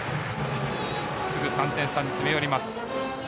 すぐ３点差に詰め寄ります。